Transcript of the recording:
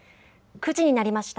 ９時になりました。